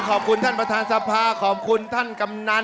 ขอบคุณครับขอบคุณครับ